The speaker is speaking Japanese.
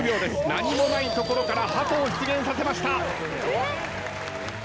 何もないところからハトを出現させました。